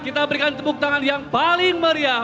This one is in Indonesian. kita berikan tepuk tangan yang paling meriah